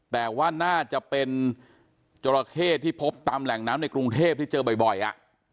แต่ว่าน่าจะเป็นจราเข้ที่พบตามแหล่งน้ำในกรุงเทพที่เจอบ่อยอ่ะ